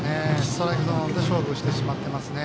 ストライクゾーンで勝負してしまっていますね。